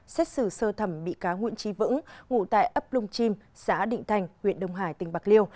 xét xử sơ thẩm bị cá nguyễn trí vững ngụ tại ấp lung chim xã định thành huyện đông hải tỉnh bạc liêu